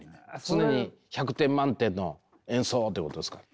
常に１００点満点の演奏をということですか？